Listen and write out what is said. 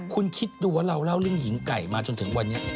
คุณคิดดูว่าเราเล่าเรื่องหญิงไก่มาจนถึงวันนี้